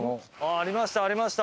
ありました！